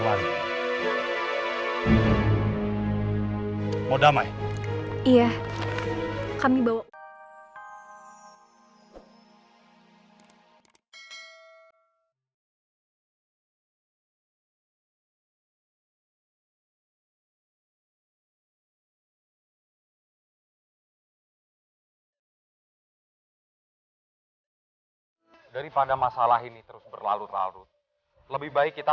mau ngapain kalian berdua